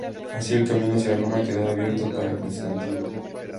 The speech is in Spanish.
Así el camino hacia Roma quedaba abierto para Constantino.